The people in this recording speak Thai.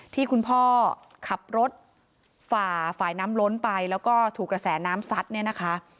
ที่คุณพ่อขับรถฝ่าฝ่ายน้ำล้นไปแล้วก็ถูกกระแสน้ำซัดเนี่ยนะคะ